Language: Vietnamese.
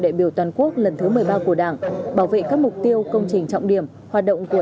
đại biểu toàn quốc lần thứ một mươi ba của đảng bảo vệ các mục tiêu công trình trọng điểm hoạt động của